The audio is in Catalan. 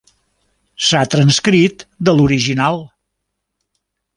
S'ha transcrit de l'original.